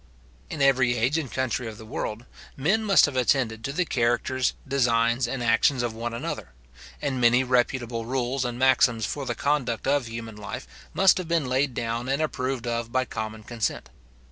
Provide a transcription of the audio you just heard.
In every age and country of the world, men must have attended to the characters, designs, and actions of one another; and many reputable rules and maxims for the conduct of human life must have been laid down and approved of by common consent.